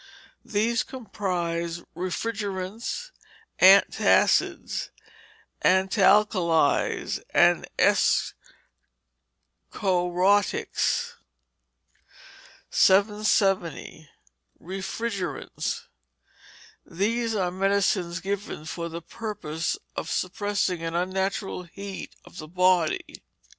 These comprise refrigerants, antacids, antalkalies, and escharotics. 770. Refrigerants. These are medicines given for the purpose of suppressing an unnatural heat of the body.